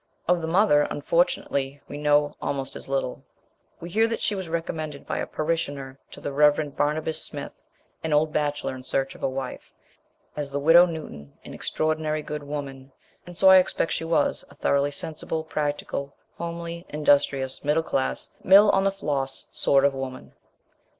Of the mother, unfortunately, we know almost as little. We hear that she was recommended by a parishioner to the Rev. Barnabas Smith, an old bachelor in search of a wife, as "the widow Newton an extraordinary good woman:" and so I expect she was, a thoroughly sensible, practical, homely, industrious, middle class, Mill on the Floss sort of woman.